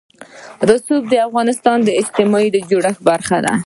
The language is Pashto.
رسوب د افغانستان د اجتماعي جوړښت برخه ده.